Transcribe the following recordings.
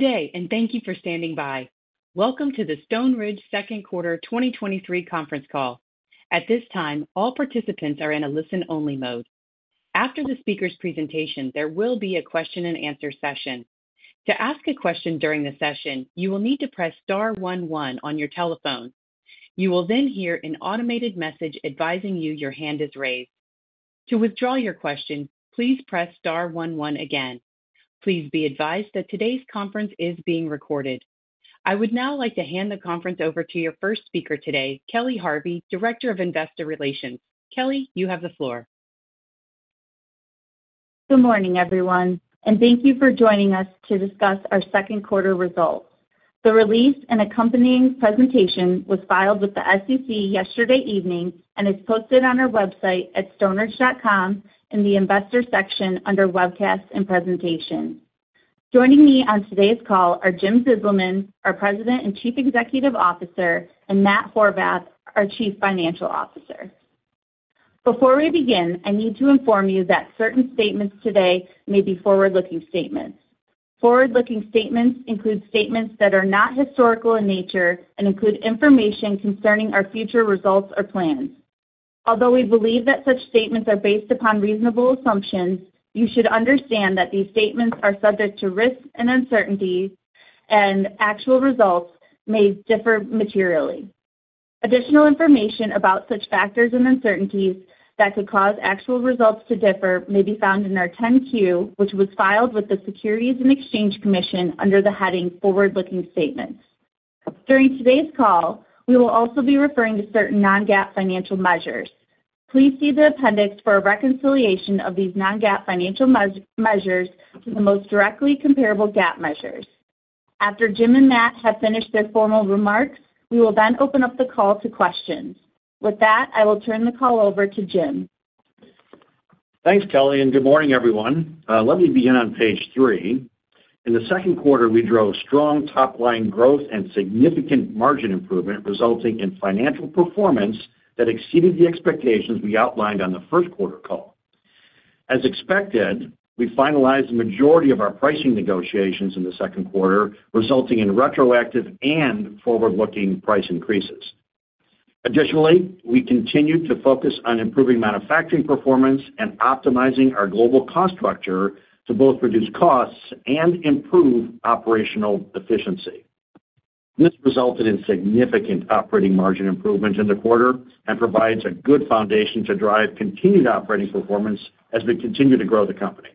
Good day, and thank you for standing by. Welcome to the Stoneridge Second Quarter 2023 Conference Call. At this time, all participants are in a listen-only mode. After the speaker's presentation, there will be a question-and-answer session. To ask a question during the session, you will need to press star one one on your telephone. You will then hear an automated message advising you your hand is raised. To withdraw your question, please press star one one again. Please be advised that today's conference is being recorded. I would now like to hand the conference over to your first speaker today, Kelly Harvey, Director of Investor Relations. Kelly, you have the floor. Good morning, everyone, thank you for joining us to discuss our second quarter results. The release and accompanying presentation was filed with the SEC yesterday evening and is posted on our website at stoneridge.com in the Investors section under Webcasts and Presentation. Joining me on today's call are Jim Zizelman, our President and Chief Executive Officer, and Matt Horvath, our Chief Financial Officer. Before we begin, I need to inform you that certain statements today may be forward-looking statements. Forward-looking statements include statements that are not historical in nature and include information concerning our future results or plans. Although we believe that such statements are based upon reasonable assumptions, you should understand that these statements are subject to risks and uncertainties, actual results may differ materially. Additional information about such factors and uncertainties that could cause actual results to differ may be found in our 10-Q, which was filed with the Securities and Exchange Commission under the heading Forward-Looking Statements. During today's call, we will also be referring to certain non-GAAP financial measures. Please see the appendix for a reconciliation of these non-GAAP financial measures to the most directly comparable GAAP measures. After Jim and Matt have finished their formal remarks, we will then open up the call to questions. I will turn the call over to Jim. Thanks, Kelly, and good morning, everyone. Let me begin on page three. In the second quarter, we drove strong top-line growth and significant margin improvement, resulting in financial performance that exceeded the expectations we outlined on the first quarter call. As expected, we finalized the majority of our pricing negotiations in the second quarter, resulting in retroactive and forward-looking price increases. Additionally, we continued to focus on improving manufacturing performance and optimizing our global cost structure to both reduce costs and improve operational efficiency. This resulted in significant operating margin improvement in the quarter and provides a good foundation to drive continued operating performance as we continue to grow the company.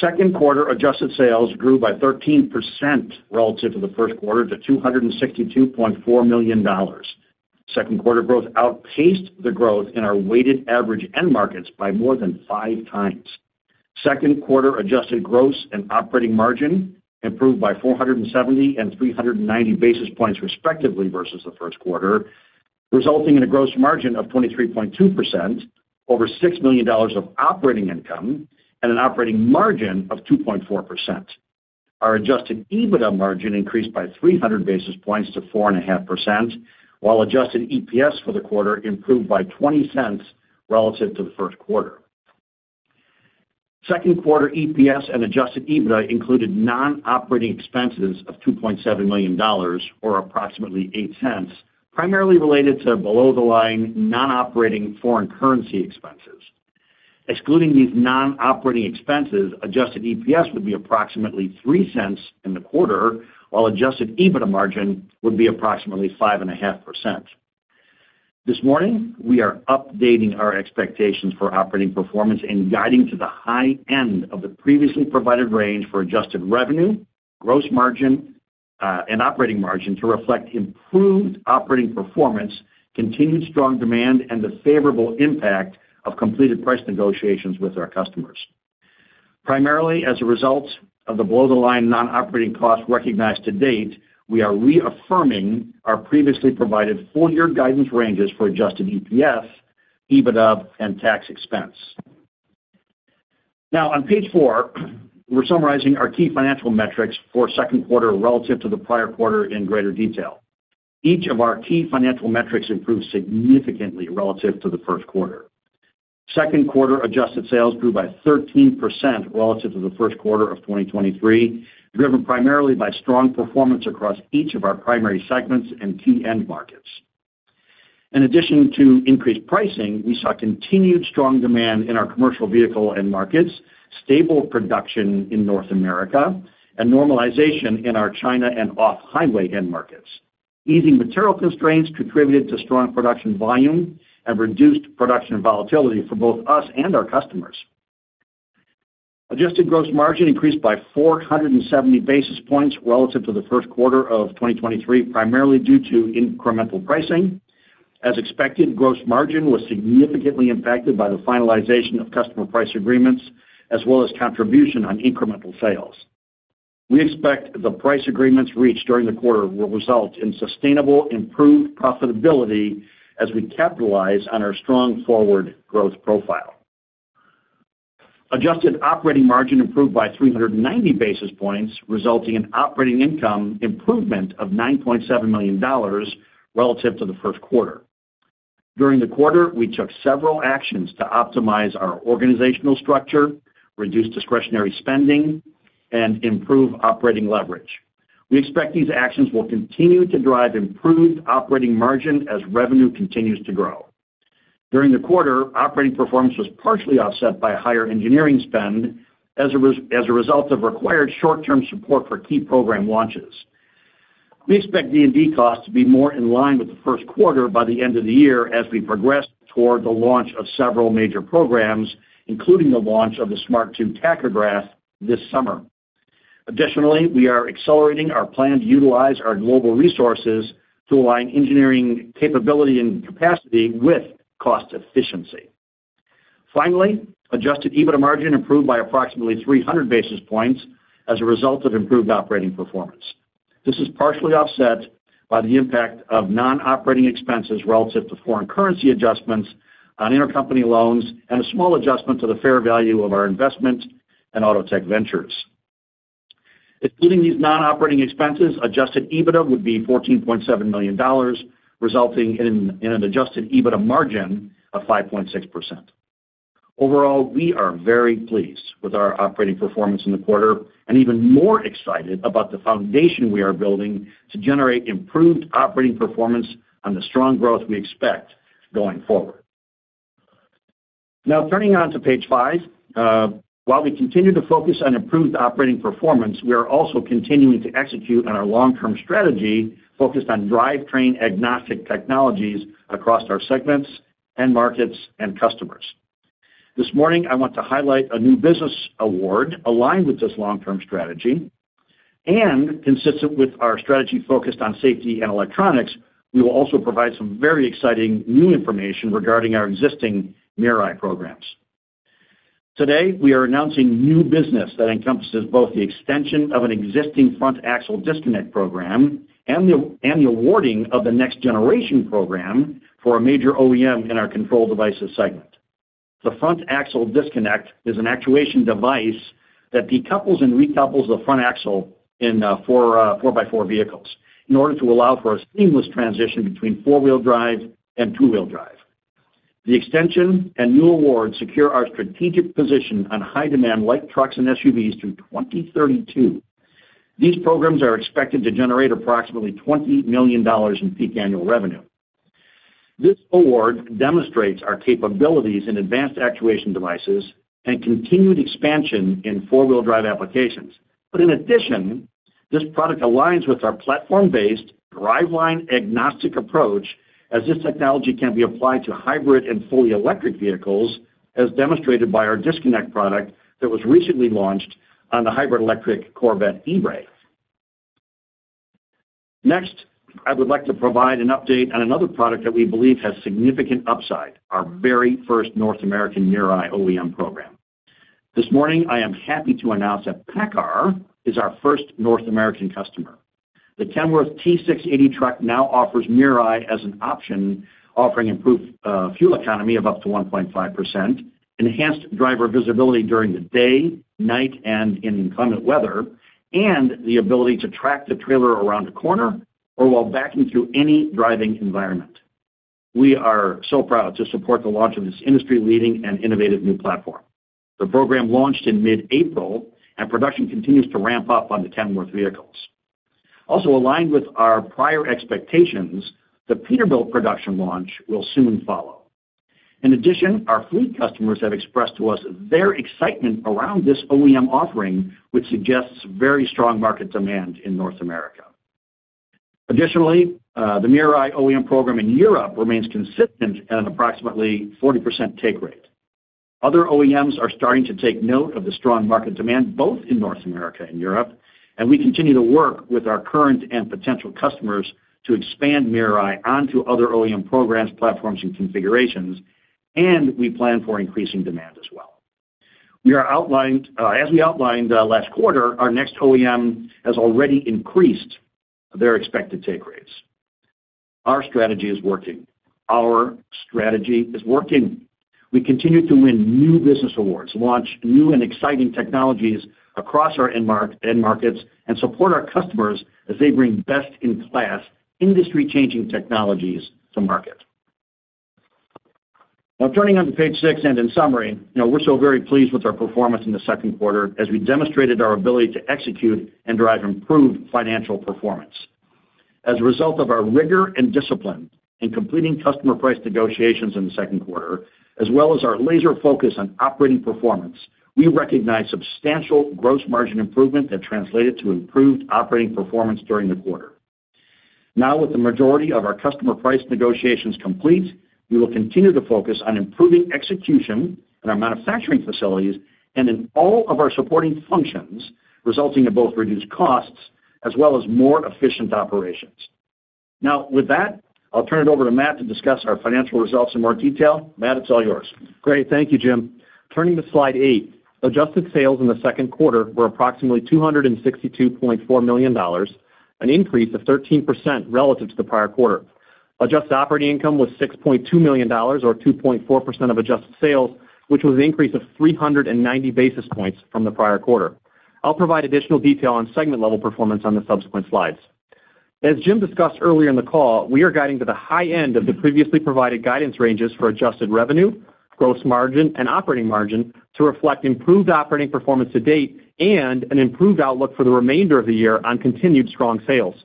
Second quarter adjusted sales grew by 13% relative to the first quarter to $262.4 million. Second quarter growth outpaced the growth in our weighted average end markets by more than five times. Second quarter adjusted gross and operating margin improved by 470 and 390 basis points, respectively, versus the first quarter, resulting in a gross margin of 23.2%, over $6 million of operating income, and an operating margin of 2.4%. Our adjusted EBITDA margin increased by 300 basis points to 4.5%, while adjusted EPS for the quarter improved by $0.20 relative to the first quarter. Second quarter EPS and adjusted EBITDA included non-operating expenses of $2.7 million, or approximately $0.08, primarily related to below-the-line non-operating foreign currency expenses. Excluding these non-operating expenses, adjusted EPS would be approximately $0.03 in the quarter, while adjusted EBITDA margin would be approximately 5.5%. This morning, we are updating our expectations for operating performance and guiding to the high end of the previously provided range for adjusted revenue, gross margin, and operating margin to reflect improved operating performance, continued strong demand, and the favorable impact of completed price negotiations with our customers. Primarily, as a result of the below-the-line non-operating costs recognized to date, we are reaffirming our previously provided full-year guidance ranges for adjusted EPS, EBITDA, and tax expense. On page four, we're summarizing our key financial metrics for second quarter relative to the prior quarter in greater detail. Each of our key financial metrics improved significantly relative to the first quarter. Second quarter adjusted sales grew by 13% relative to the first quarter of 2023, driven primarily by strong performance across each of our primary segments and key end markets. In addition to increased pricing, we saw continued strong demand in our commercial vehicle end markets, stable production in North America, and normalization in our China and off-highway end markets. Easing material constraints contributed to strong production volume and reduced production volatility for both us and our customers. Adjusted gross margin increased by 470 basis points relative to the first quarter of 2023, primarily due to incremental pricing. As expected, gross margin was significantly impacted by the finalization of customer price agreements as well as contribution on incremental sales. We expect the price agreements reached during the quarter will result in sustainable, improved profitability as we capitalize on our strong forward growth profile. Adjusted operating margin improved by 390 basis points, resulting in operating income improvement of $9.7 million relative to the first quarter. During the quarter, we took several actions to optimize our organizational structure, reduce discretionary spending, and improve operating leverage. We expect these actions will continue to drive improved operating margin as revenue continues to grow. During the quarter, operating performance was partially offset by higher engineering spend as a result of required short-term support for key program launches. We expect D&D costs to be more in line with the first quarter by the end of the year as we progress toward the launch of several major programs, including the launch of the Smart 2 tachograph this summer. Additionally, we are accelerating our plan to utilize our global resources to align engineering capability and capacity with cost efficiency. Finally, adjusted EBITDA margin improved by approximately 300 basis points as a result of improved operating performance. This is partially offset by the impact of non-operating expenses relative to foreign currency adjustments on intercompany loans and a small adjustment to the fair value of our investment in Autotech Ventures. Excluding these non-operating expenses, adjusted EBITDA would be $14.7 million, resulting in an adjusted EBITDA margin of 5.6%. Overall, we are very pleased with our operating performance in the quarter and even more excited about the foundation we are building to generate improved operating performance on the strong growth we expect going forward. Turning on to page five, while we continue to focus on improved operating performance, we are also continuing to execute on our long-term strategy, focused on drivetrain-agnostic technologies across our segments, end markets, and customers. This morning, I want to highlight a new business award aligned with this long-term strategy, and consistent with our strategy focused on safety and electronics, we will also provide some very exciting new information regarding our existing MirrorEye programs. Today, we are announcing new business that encompasses both the extension of an existing front axle disconnect program and the awarding of the next generation program for a major OEM in our Control Devices segment. The front axle disconnect is an actuation device that decouples and recouples the front axle in 4x4 vehicles in order to allow for a seamless transition between four-wheel drive and two-wheel drive. The extension and new award secure our strategic position on high-demand light trucks and SUVs through 2032. These programs are expected to generate approximately $20 million in peak annual revenue. This award demonstrates our capabilities in advanced actuation devices and continued expansion in four-wheel drive applications. In addition, this product aligns with our platform-based, driveline-agnostic approach, as this technology can be applied to hybrid and fully electric vehicles, as demonstrated by our disconnect product that was recently launched on the hybrid electric Corvette E-Ray. Next, I would like to provide an update on another product that we believe has significant upside, our very first North American MirrorEye OEM program. This morning, I am happy to announce that PACCAR is our first North American customer. The Kenworth T680 truck now offers MirrorEye as an option, offering improved fuel economy of up to 1.5%, enhanced driver visibility during the day, night, and in inclement weather, and the ability to track the trailer around a corner or while backing through any driving environment. We are so proud to support the launch of this industry-leading and innovative new platform. The program launched in mid-April, and production continues to ramp up on the Kenworth vehicles. Also aligned with our prior expectations, the Peterbilt production launch will soon follow. In addition, our fleet customers have expressed to us their excitement around this OEM offering, which suggests very strong market demand in North America. Additionally, the MirrorEye OEM program in Europe remains consistent at an approximately 40% take rate. Other OEMs are starting to take note of the strong market demand, both in North America and Europe, and we continue to work with our current and potential customers to expand MirrorEye onto other OEM programs, platforms, and configurations, and we plan for increasing demand as well. We are outlined, as we outlined, last quarter, our next OEM has already increased their expected take rates. Our strategy is working. Our strategy is working. We continue to win new business awards, launch new and exciting technologies across our end markets, and support our customers as they bring best-in-class, industry-changing technologies to market. Now turning on to page six, and in summary, you know, we're so very pleased with our performance in the second quarter as we demonstrated our ability to execute and drive improved financial performance. As a result of our rigor and discipline in completing customer price negotiations in the second quarter, as well as our laser focus on operating performance, we recognize substantial gross margin improvement that translated to improved operating performance during the quarter. Now, with the majority of our customer price negotiations complete, we will continue to focus on improving execution in our manufacturing facilities and in all of our supporting functions, resulting in both reduced costs as well as more efficient operations. Now, with that, I'll turn it over to Matt to discuss our financial results in more detail. Matt, it's all yours. Great. Thank you, Jim. Turning to slide eight, adjusted sales in the second quarter were approximately $262.4 million, an increase of 13% relative to the prior quarter. Adjusted operating income was $6.2 million, or 2.4% of adjusted sales, which was an increase of 390 basis points from the prior quarter. I'll provide additional detail on segment-level performance on the subsequent slides. As Jim discussed earlier in the call, we are guiding to the high end of the previously provided guidance ranges for adjusted revenue, gross margin, and operating margin to reflect improved operating performance to date and an improved outlook for the remainder of the year on continued strong sales.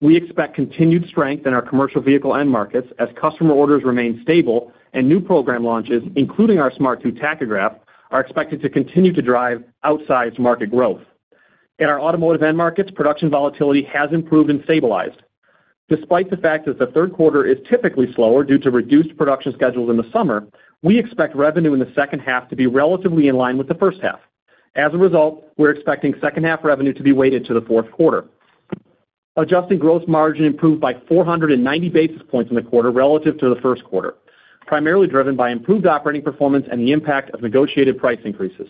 We expect continued strength in our commercial vehicle end markets as customer orders remain stable and new program launches, including our Smart 2 tachograph, are expected to continue to drive outsized market growth. In our automotive end markets, production volatility has improved and stabilized. Despite the fact that the third quarter is typically slower due to reduced production schedules in the summer, we expect revenue in the second half to be relatively in line with the first half. As a result, we're expecting second half revenue to be weighted to the fourth quarter. Adjusted gross margin improved by 490 basis points in the quarter relative to the first quarter, primarily driven by improved operating performance and the impact of negotiated price increases.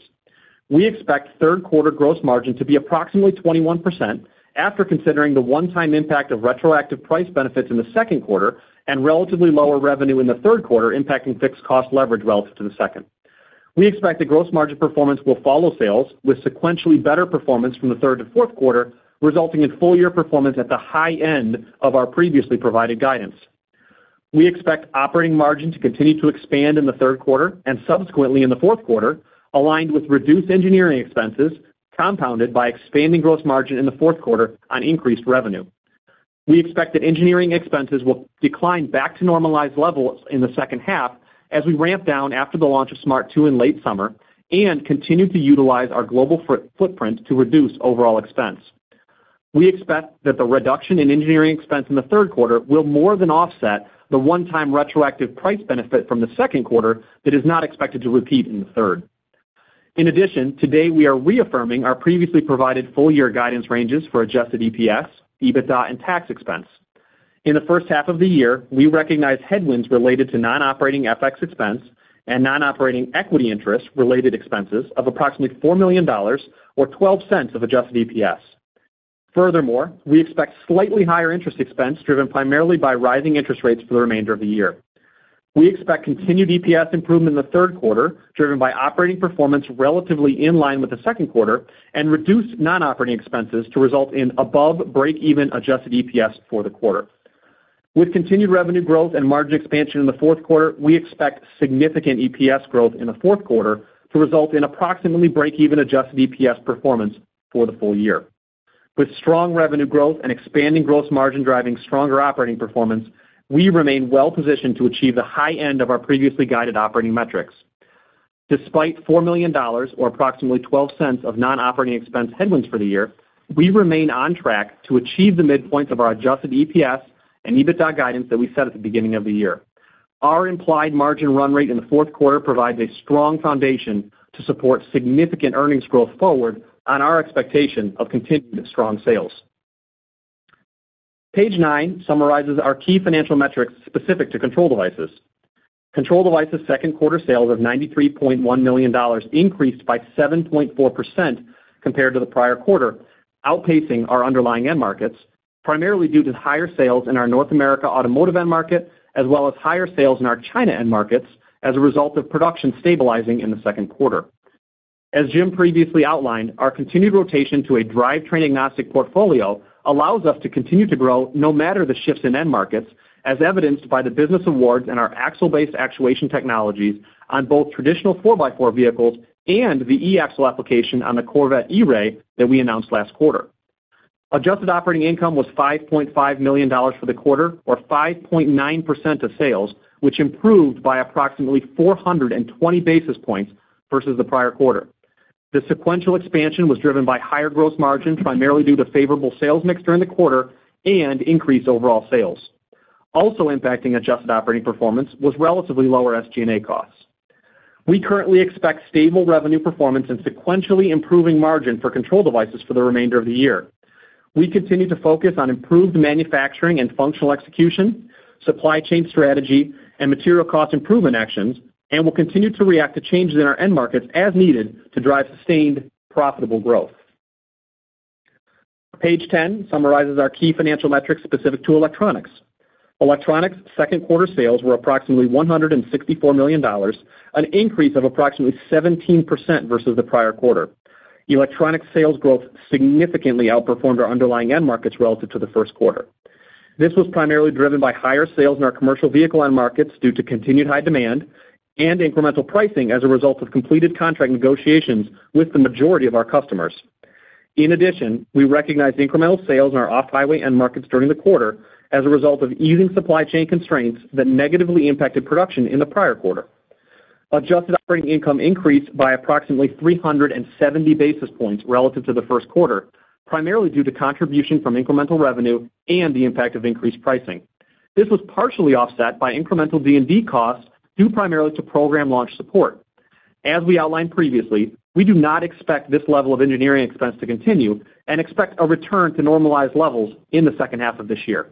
We expect third quarter gross margin to be approximately 21% after considering the one-time impact of retroactive price benefits in the second quarter and relatively lower revenue in the third quarter, impacting fixed cost leverage relative to the second. We expect the gross margin performance will follow sales, with sequentially better performance from the third to fourth quarter, resulting in full year performance at the high end of our previously provided guidance. We expect operating margin to continue to expand in the third quarter and subsequently in the fourth quarter, aligned with reduced engineering expenses, compounded by expanding gross margin in the fourth quarter on increased revenue. We expect that engineering expenses will decline back to normalized levels in the second half as we ramp down after the launch of Smart 2 in late summer and continue to utilize our global footprint to reduce overall expense. We expect that the reduction in engineering expense in the third quarter will more than offset the one-time retroactive price benefit from the second quarter that is not expected to repeat in the third. Today we are reaffirming our previously provided full year guidance ranges for adjusted EPS, EBITDA, and tax expense. In the first half of the year, we recognized headwinds related to non-operating FX expense and non-operating equity interest related expenses of approximately $4 million or $0.12 of adjusted EPS. We expect slightly higher interest expense, driven primarily by rising interest rates for the remainder of the year. We expect continued EPS improvement in the third quarter, driven by operating performance relatively in line with the second quarter and reduced non-operating expenses to result in above break-even adjusted EPS for the quarter. With continued revenue growth and margin expansion in the fourth quarter, we expect significant EPS growth in the fourth quarter to result in approximately break-even adjusted EPS performance for the full year. With strong revenue growth and expanding gross margin driving stronger operating performance, we remain well positioned to achieve the high end of our previously guided operating metrics. Despite $4 million or approximately $0.12 of non-operating expense headwinds for the year, we remain on track to achieve the midpoints of our adjusted EPS and EBITDA guidance that we set at the beginning of the year. Our implied margin run rate in the fourth quarter provides a strong foundation to support significant earnings growth forward on our expectation of continued strong sales. Page nine summarizes our key financial metrics specific to Control Devices. Control Devices second quarter sales of $93.1 million increased by 7.4% compared to the prior quarter, outpacing our underlying end markets, primarily due to higher sales in our North America automotive end market, as well as higher sales in our China end markets as a result of production stabilizing in the second quarter. As Jim previously outlined, our continued rotation to a drivetrain-agnostic portfolio allows us to continue to grow no matter the shifts in end markets, as evidenced by the business awards and our axle-based actuation technologies on both traditional 4x4 vehicles and the e-axle application on the Corvette E-Ray that we announced last quarter. Adjusted operating income was $5.5 million for the quarter, or 5.9% of sales, which improved by approximately 420 basis points versus the prior quarter. The sequential expansion was driven by higher gross margins, primarily due to favorable sales mix during the quarter and increased overall sales. Also impacting adjusted operating performance was relatively lower SG&A costs. We currently expect stable revenue performance and sequentially improving margin for Control Devices for the remainder of the year. We continue to focus on improved manufacturing and functional execution, supply chain strategy and material cost improvement actions, and will continue to react to changes in our end markets as needed to drive sustained, profitable growth. Page 10 summarizes our key financial metrics specific to Electronics. Electronics second quarter sales were approximately $164 million, an increase of approximately 17% versus the prior quarter. Electronics sales growth significantly outperformed our underlying end markets relative to the first quarter. This was primarily driven by higher sales in our commercial vehicle end markets due to continued high demand and incremental pricing as a result of completed contract negotiations with the majority of our customers. In addition, we recognized incremental sales in our off-highway end markets during the quarter as a result of easing supply chain constraints that negatively impacted production in the prior quarter. Adjusted operating income increased by approximately 370 basis points relative to the first quarter, primarily due to contribution from incremental revenue and the impact of increased pricing. This was partially offset by incremental D&D costs, due primarily to program launch support. As we outlined previously, we do not expect this level of engineering expense to continue and expect a return to normalized levels in the second half of this year.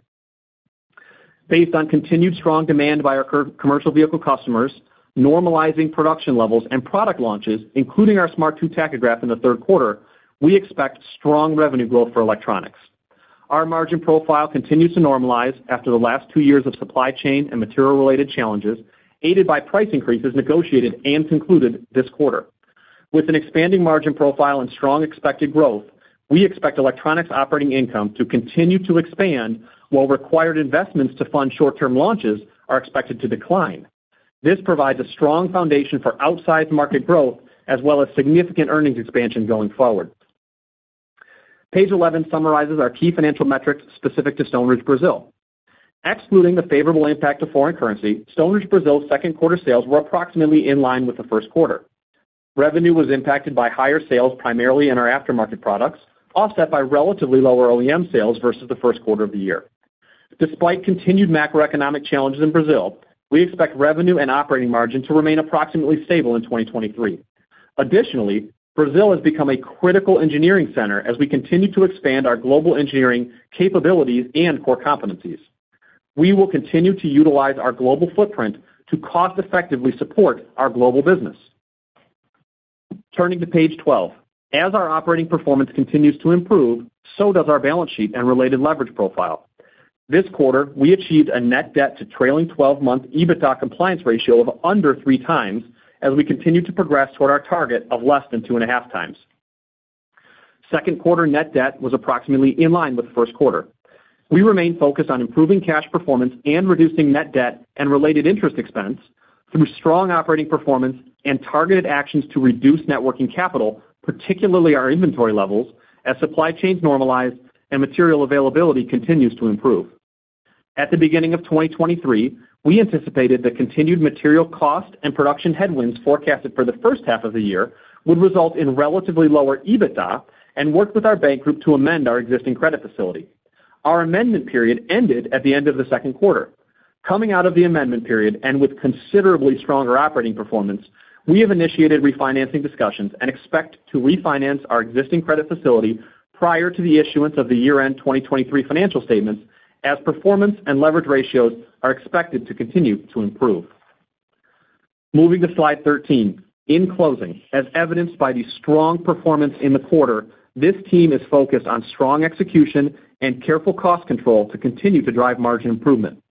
Based on continued strong demand by our commercial vehicle customers, normalizing production levels and product launches, including our Smart 2 tachograph in the third quarter, we expect strong revenue growth for Electronics. Our margin profile continues to normalize after the last two years of supply chain and material-related challenges, aided by price increases negotiated and concluded this quarter. With an expanding margin profile and strong expected growth, we expect Electronics operating income to continue to expand, while required investments to fund short-term launches are expected to decline. This provides a strong foundation for outsized market growth as well as significant earnings expansion going forward. Page 11 summarizes our key financial metrics specific to Stoneridge Brazil. Excluding the favorable impact of foreign currency, Stoneridge Brazil's second quarter sales were approximately in line with the first quarter. Revenue was impacted by higher sales, primarily in our aftermarket products, offset by relatively lower OEM sales versus the first quarter of the year. Despite continued macroeconomic challenges in Brazil, we expect revenue and operating margin to remain approximately stable in 2023. Additionally, Brazil has become a critical engineering center as we continue to expand our global engineering capabilities and core competencies. We will continue to utilize our global footprint to cost effectively support our global business. Turning to page 12. As our operating performance continues to improve, so does our balance sheet and related leverage profile. This quarter, we achieved a net debt to trailing twelve-month EBITDA compliance ratio of under 3x, as we continue to progress toward our target of less than 2.5x. Second quarter net debt was approximately in line with the first quarter. We remain focused on improving cash performance and reducing net debt and related interest expense through strong operating performance and targeted actions to reduce net working capital, particularly our inventory levels, as supply chains normalize and material availability continues to improve. At the beginning of 2023, we anticipated that continued material cost and production headwinds forecasted for the first half of the year would result in relatively lower EBITDA, and worked with our bank group to amend our existing credit facility. Our amendment period ended at the end of the second quarter. Coming out of the amendment period, and with considerably stronger operating performance, we have initiated refinancing discussions and expect to refinance our existing credit facility prior to the issuance of the year-end 2023 financial statements, as performance and leverage ratios are expected to continue to improve. Moving to slide 13. In closing, as evidenced by the strong performance in the quarter, this team is focused on strong execution and careful cost control to continue to drive margin improvement.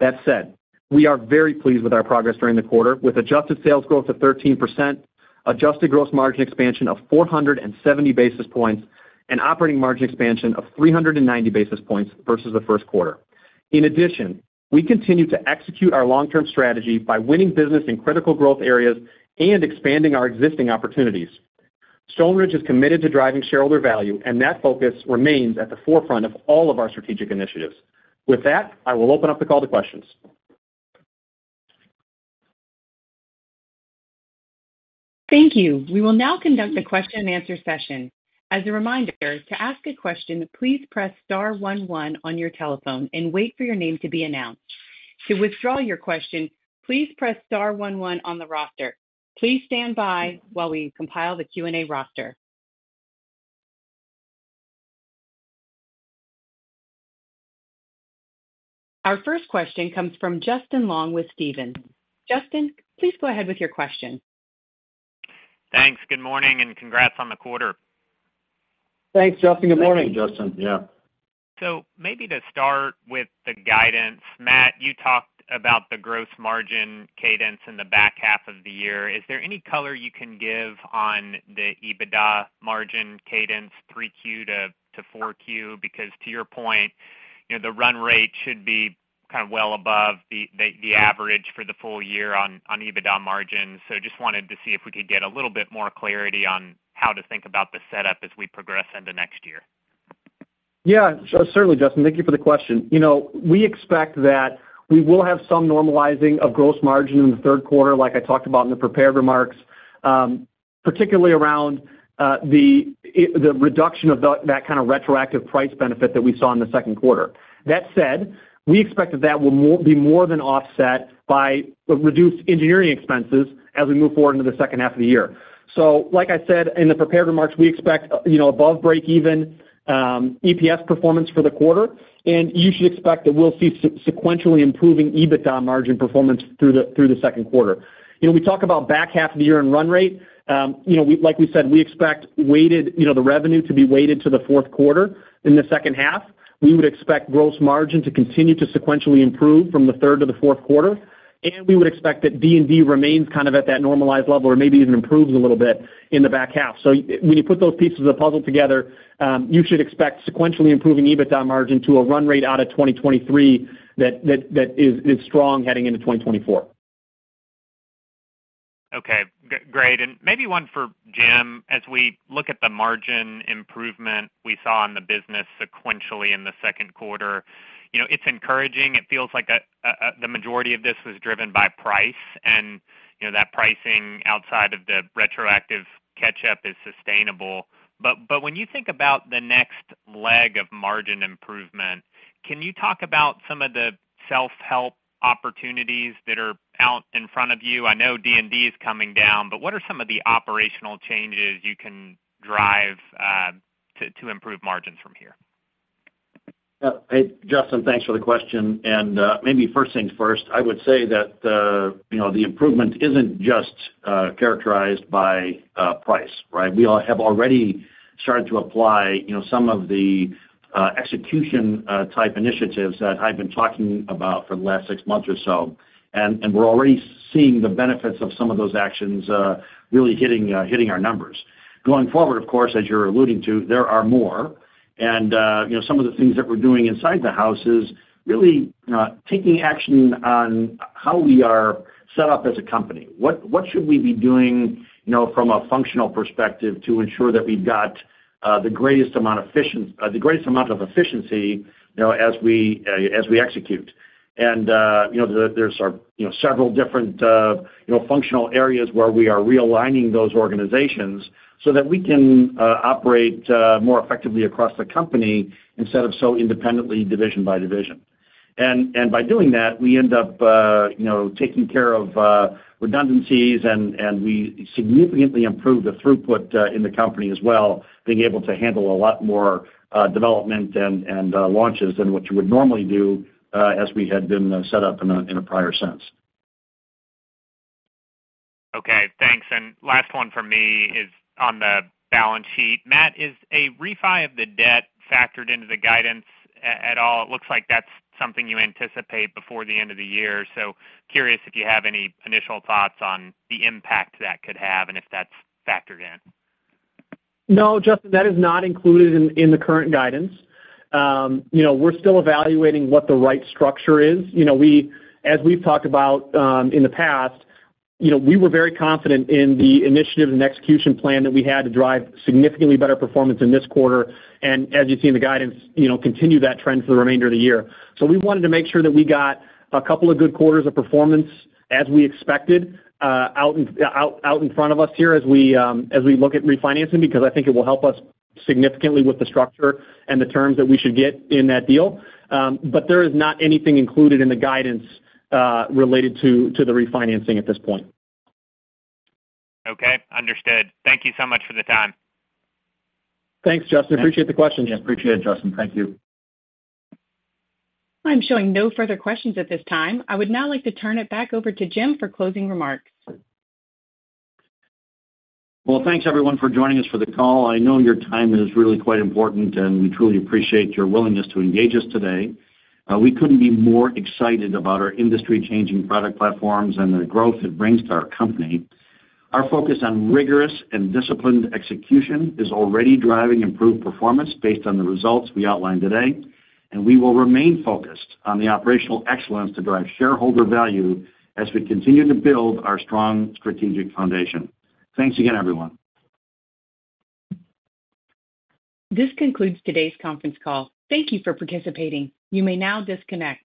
That said, we are very pleased with our progress during the quarter, with adjusted sales growth of 13%, adjusted gross margin expansion of 470 basis points, and operating margin expansion of 390 basis points versus the first quarter. In addition, we continue to execute our long-term strategy by winning business in critical growth areas and expanding our existing opportunities. Stoneridge is committed to driving shareholder value, and that focus remains at the forefront of all of our strategic initiatives. With that, I will open up the call to questions. Thank you. We will now conduct a question-and-answer session. As a reminder, to ask a question, please press star one one on your telephone and wait for your name to be announced. To withdraw your question, please press star one one on the roster. Please stand by while we compile the Q&A roster. Our first question comes from Justin Long with Stephens. Justin, please go ahead with your question. Thanks. Good morning, and congrats on the quarter. Thanks, Justin. Good morning. Thank you, Justin. Yeah. Maybe to start with the guidance, Matt, you talked about the gross margin cadence in the back half of the year. Is there any color you can give on the EBITDA margin cadence 3Q to 4Q? Because to your point, you know, the run rate should be kind of well above the average for the full year on EBITDA margin. Just wanted to see if we could get a little bit more clarity on how to think about the setup as we progress into next year. Yeah, certainly, Justin, thank you for the question. You know, we expect that we will have some normalizing of gross margin in the third quarter, like I talked about in the prepared remarks, particularly around the reduction of that kind of retroactive price benefit that we saw in the second quarter. That said, we expect that, that will be more than offset by reduced engineering expenses as we move forward into the second half of the year. Like I said in the prepared remarks, we expect, you know, above break even, EPS performance for the quarter, and you should expect that we'll see sequentially improving EBITDA margin performance through the, through the second quarter. You know, we talk about back half of the year and run rate. You know, like we said, we expect weighted, you know, the revenue to be weighted to the fourth quarter in the second half. We would expect gross margin to continue to sequentially improve from the third to the fourth quarter. We would expect that D&D remains kind of at that normalized level or maybe even improves a little bit in the back half. When you put those pieces of the puzzle together, you should expect sequentially improving EBITDA margin to a run rate out of 2023 that is strong heading into 2024. Okay, great. Maybe one for Jim. As we look at the margin improvement we saw in the business sequentially in the second quarter, you know, it's encouraging. It feels like the majority of this was driven by price and, you know, that pricing outside of the retroactive catch-up is sustainable. When you think about the next leg of margin improvement, can you talk about some of the self-help opportunities that are out in front of you? I know D&D is coming down, but what are some of the operational changes you can drive to improve margins from here? Yeah. Hey, Justin, thanks for the question. Maybe first things first, I would say that, you know, the improvement isn't just, characterized by, price, right? We all have already started to apply, you know, some of the, execution, type initiatives that I've been talking about for the last six months or so. We're already seeing the benefits of some of those actions, really hitting, hitting our numbers. Going forward, of course, as you're alluding to, there are more. You know, some of the things that we're doing inside the house is really, taking action on how we are set up as a company. What, what should we be doing, you know, from a functional perspective to ensure that we've got the greatest amount of efficiency, you know, as we as we execute? You know, there, there's, are, you know, several different, you know, functional areas where we are realigning those organizations so that we can operate more effectively across the company instead of so independently division by division. By doing that, we end up, you know, taking care of redundancies, and we significantly improve the throughput in the company as well, being able to handle a lot more development and launches than what you would normally do as we had been set up in a prior sense. Okay, thanks. Last one from me is on the balance sheet. Matt, is a refi of the debt factored into the guidance at all? It looks like that's something you anticipate before the end of the year. Curious if you have any initial thoughts on the impact that could have and if that's factored in? No, Justin, that is not included in, in the current guidance. You know, we're still evaluating what the right structure is. You know, as we've talked about, in the past, you know, we were very confident in the initiative and execution plan that we had to drive significantly better performance in this quarter, and as you see in the guidance, you know, continue that trend for the remainder of the year. We wanted to make sure that we got a couple of good quarters of performance as we expected, out in, out, out in front of us here as we, as we look at refinancing, because I think it will help us significantly with the structure and the terms that we should get in that deal. There is not anything included in the guidance, related to, to the refinancing at this point. Okay, understood. Thank you so much for the time. Thanks, Justin. Appreciate the questions. Yeah, appreciate it, Justin. Thank you. I'm showing no further questions at this time. I would now like to turn it back over to Jim for closing remarks. Well, thanks everyone for joining us for the call. I know your time is really quite important, and we truly appreciate your willingness to engage us today. We couldn't be more excited about our industry-changing product platforms and the growth it brings to our company. Our focus on rigorous and disciplined execution is already driving improved performance based on the results we outlined today, and we will remain focused on the operational excellence to drive shareholder value as we continue to build our strong strategic foundation. Thanks again, everyone. This concludes today's conference call. Thank you for participating. You may now disconnect.